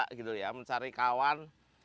untuk mencari bala mencari kawan